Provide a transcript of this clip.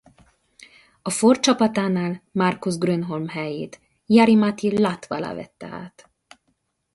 A Ford csapatánál Marcus Grönholm helyét Jari-Matti Latvala vette át.